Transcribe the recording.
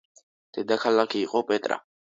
დედაქალაქი იყო პეტრა.